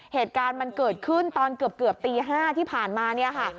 เหตุการณ์มันเกิดขึ้นตอนเกือบตี๕ที่ผ่านมาเนี่ยค่ะ